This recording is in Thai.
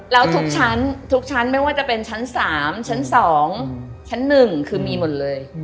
แล้วทุกชั้นทุกชั้นไม่ว่าจะเป็นชั้น๓ชั้น๒ชั้น๑คือมีหมดเลย